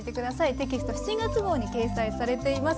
テキスト７月号に掲載されています。